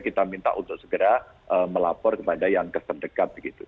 kita minta untuk segera melapor kepada yang keserdekap